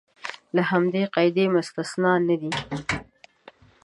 له همدې قاعدې مستثنی نه دي.